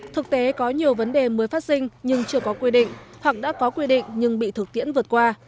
thực tế có nhiều vấn đề mới phát sinh nhưng chưa có quy định hoặc đã có quy định nhưng bị thực tiễn vượt qua